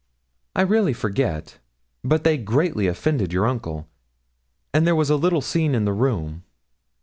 'I really forget; but they greatly offended your uncle, and there was a little scene in the room.